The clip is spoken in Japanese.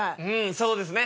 そうですね。